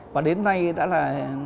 và đến nay đã là